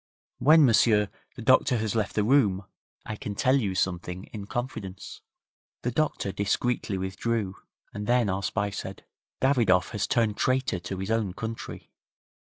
'When, m'sieur, the doctor has left the room I can tell you something in confidence.' The doctor discreetly withdrew, and then our spy said: 'Davidoff has turned traitor to his own country.